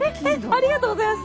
ありがとうございます！